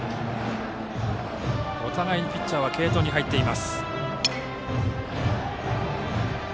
お互いにピッチャーは継投に入っています。